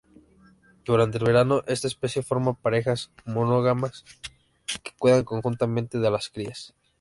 Durante el verano, esta especie forma parejas monógamas que cuidan conjuntamente de las crías.